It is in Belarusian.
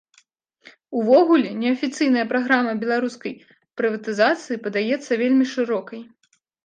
Увогуле, неафіцыйная праграма беларускай прыватызацыі падаецца вельмі шырокай.